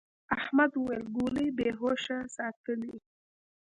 احمد وويل: گولۍ بې هوښه ساتلې.